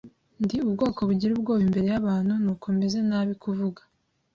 Ndi ubwoko bugira ubwoba imbere yabantu, nuko meze nabi kuvuga.